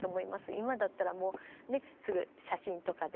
今だったらもうねすぐ写真とかで。